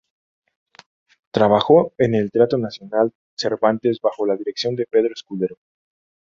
Trabajó en el Teatro Nacional Cervantes bajo la dirección de Pedro Escudero.